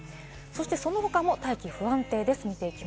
その他も大気が不安定です。